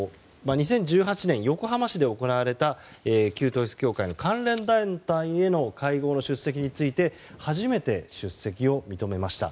２０１８年、横浜市で行われた旧統一教会の関連団体の会合への出席について初めて出席を認めました。